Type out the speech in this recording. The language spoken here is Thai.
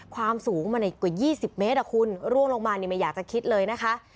ความสูงมาในกว่า๒๐เมตรคุณร่วงลงมาไม่อยากจะคิดเลยนะคะ